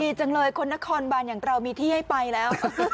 ดีจังเลยคนนครบานอย่างเรามีที่ให้ไปแล้ว